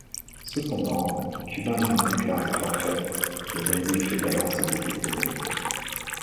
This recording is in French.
Cependant, Cuba ayant déclaré forfait, le Brésil fait alors ses débuts olympiques.